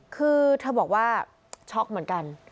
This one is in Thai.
คือเธอบอกว่าช็อกเหมือนกัน